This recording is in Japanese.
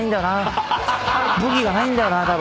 武器がないんだよなたぶん。